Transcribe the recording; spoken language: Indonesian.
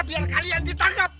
biar kalian ditanggep